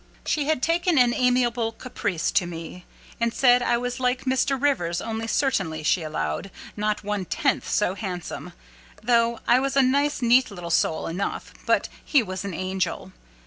She had taken an amiable caprice to me. She said I was like Mr. Rivers, only, certainly, she allowed, "not one tenth so handsome, though I was a nice neat little soul enough, but he was an angel."